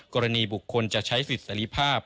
กรณีบุคคลจะใช้สิทธิเสรีภาพ